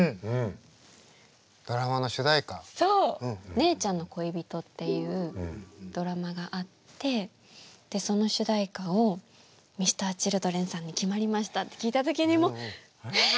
「姉ちゃんの恋人」っていうドラマがあってその主題歌をＭｒ．Ｃｈｉｌｄｒｅｎさんに決まりましたって聞いた時にもう「えっ！」